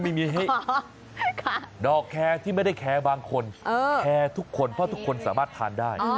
ไม่มีดอกแคร์ที่ไม่ได้แคร์บางคนแคร์ทุกคนเพราะทุกคนสามารถทานได้